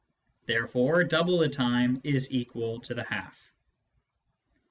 Therefore double the time is equal to the half."